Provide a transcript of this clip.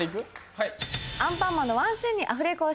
はい。